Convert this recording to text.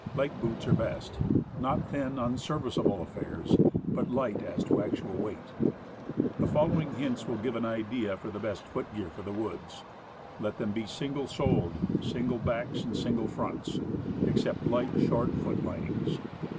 Light boots are best. Not thin, unserviceable affairs, but light as to actual weight. The following hints will give an idea of the best foot gear for the woods: Let them be single soled, single backs and single fronts, except light, short foot linings.